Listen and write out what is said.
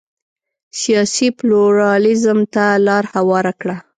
سیاسي پلورالېزم ته لار هواره کړه.